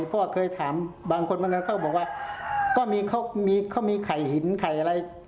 เพราะว่าเคยถามบางคนบางทีเขาบอกว่าก็มีเขามีเขามีไข่หินไข่อะไร